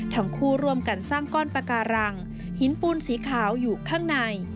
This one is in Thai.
ทั้งคู่ร่วมกันสร้างก้อนปาการังหินปูนสีขาวอยู่ข้างใน